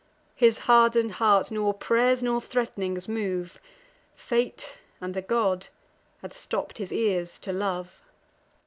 His harden'd heart nor pray'rs nor threat'nings move; Fate, and the god, had stopp'd his ears to love.